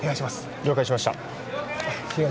了解しました